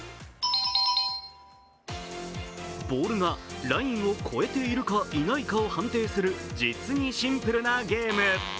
ボールがラインを越えているかいないかを判定する実にシンプルなゲーム。